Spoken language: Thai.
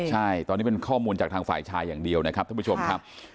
ใช่ตอนนี้เป็นข้อมูลจากทางฝ่ายชายอย่างเดียวนะครับท่านผู้ชมครับ